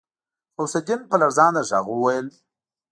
غوث الدين په لړزانده غږ وويل.